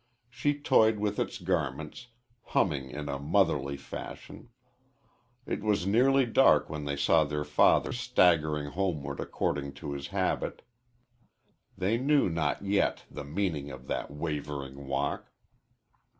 She toyed with its garments, humming in a motherly fashion. It was nearly dark when they saw their father staggering homeward according to his habit. They knew not yet the meaning of that wavering walk.